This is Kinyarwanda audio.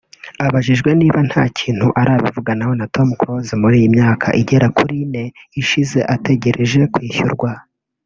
Abajijwe niba nta kintu arabivuganaho na Tom Close muri iyi myaka igera kuri ine ishize ategereje kwishyurwa